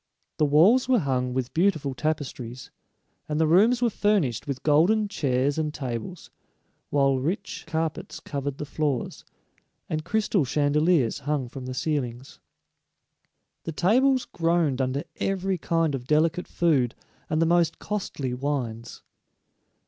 The walls were hung with beautiful tapestries, and the rooms were furnished with golden chairs and tables, while rich carpets covered the floors, and crystal chandeliers hung from the ceilings. The tables groaned under every kind of delicate food and the most costly wines.